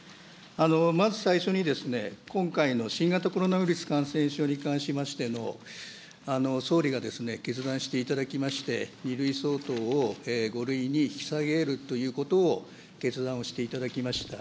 まず最初に、今回の新型コロナウイルス感染症に関しましての総理が決断していただきまして、２類相当を５類に引き下げるということを決断をしていただきました。